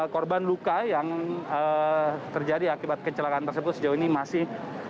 korban luka yang terjadi akibat kecelakaan tersebut sejauh ini masih